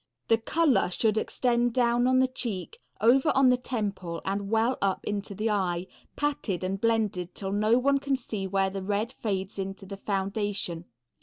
The color should extend down on the cheek, over on the temple and well up to the eye, patted and blended till no one can see where the red fades into the foundation.